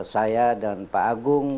saya dan pak agung